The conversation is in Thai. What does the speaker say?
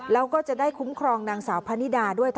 แล้วก็จะได้คุ้มครองนางสาวพะนิดาด้วย